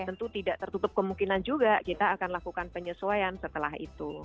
tentu tidak tertutup kemungkinan juga kita akan lakukan penyesuaian setelah itu